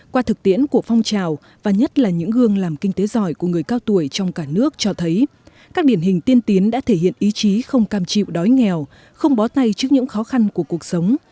qua thực tiễn của phong trào và nhất là những gương làm kinh tế giỏi của người cao tuổi trong cả nước cho thấy các điển hình tiên tiến đã thể hiện ý chí không cam chịu đói nghèo không bó tay trước những khó khăn của cuộc sống